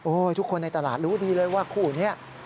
ทุกคนในตลาดรู้ดีเลยว่าคู่นี้